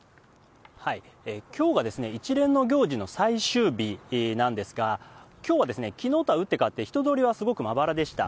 きょうが一連の行事の最終日なんですが、きょう、きのうとは打って変わって、人通りはすごくまばらでした。